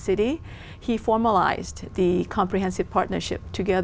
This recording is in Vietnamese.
chúng tôi có một tin tưởng rất đặc biệt